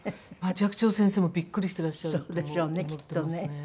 寂聴先生もビックリしてらっしゃると思ってますね。